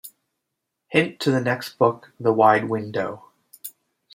Hint to the next book The Wide Window.